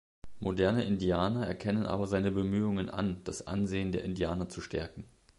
Moderne Indianer erkennen aber seine Bemühungen an, das Ansehen der Indianer zu stärken.